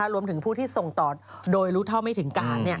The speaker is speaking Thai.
รวมถึงผู้ที่ส่งต่อโดยรู้เท่าไม่ถึงการ